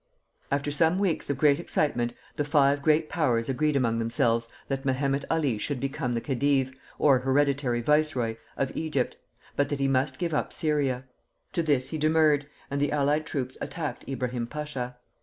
After some weeks of great excitement the Five Great Powers agreed among themselves that Mehemet Ali should become the Khedive, or hereditary viceroy, of Egypt, but that he must give up Syria. To this he demurred, and the allied troops attacked Ibrahim Pasha.